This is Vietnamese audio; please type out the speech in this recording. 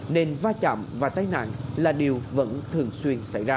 nên va chạm và tai nạn là điều vẫn thường xuyên xảy ra